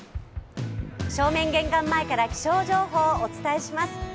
正面玄関前から気象情報をお伝えします。